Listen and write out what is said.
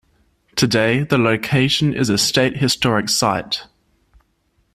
Today, the location is a state historic site.